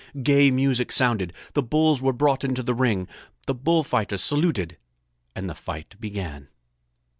Gay music sounded. The bulls were brought into the ring. The bullfighters saluted and the fight began.